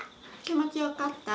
気持ちよかった？